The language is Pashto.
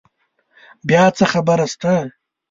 بیا څه خبره شته؟